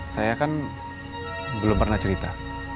saya kan belum pernah cerita